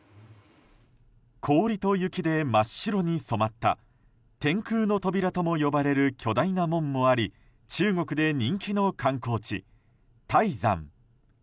氷と雪で真っ白に染まった天空の扉とも呼ばれる巨大な門もあり中国で人気の観光地・泰山。